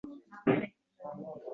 Eng kuchli taekvondochilar saralandi